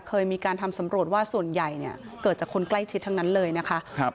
เคยมีการทำสำรวจว่าส่วนใหญ่เนี่ยเกิดจากคนใกล้ชิดทั้งนั้นเลยนะคะ